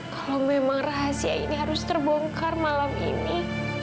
kalau memang rahasia ini harus terbongkar malam ini